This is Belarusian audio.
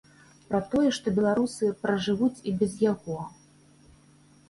Пра тое, што беларусы пражывуць і без яго.